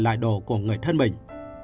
để trả lại đồ của người thân mình